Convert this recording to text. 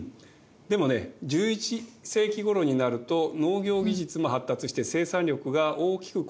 でもね１１世紀ごろになると農業技術も発達して生産力が大きく向上したんです。